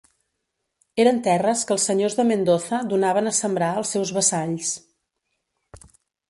Eren terres que els senyors de Mendoza donaven a sembrar als seus vassalls.